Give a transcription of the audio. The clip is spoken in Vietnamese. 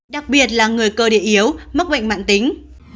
đặc biệt là người cơ địa yếu mắc bệnh mạng tính